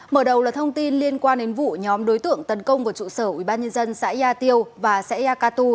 mở đầu là thông tin liên quan đến vụ nhóm đối tượng tấn công vào trụ sở ubnd xã yà tiêu và xã yà cà tu